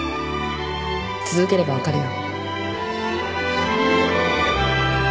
続ければ分かるよ